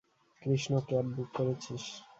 Krishna, cab book করেছিস?